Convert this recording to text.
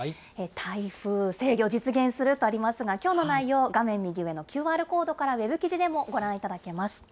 台風制御実現する？とありますが、きょうの内容、画面右上のＱＲコードからウェブ記事でもご覧いただけます。